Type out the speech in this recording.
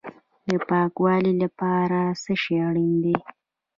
د پاکوالي لپاره څه شی اړین دی؟